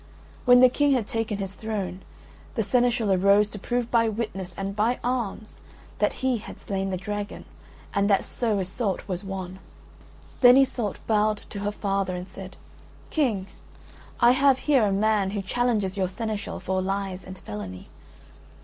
When the King had taken his throne, the seneschal arose to prove by witness and by arms that he had slain the dragon and that so Iseult was won. Then Iseult bowed to her father and said: "King, I have here a man who challenges your seneschal for lies and felony.